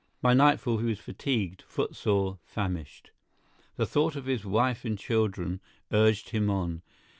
By nightfall he was fatigued, footsore, famished. The thought of his wife and children urged him on.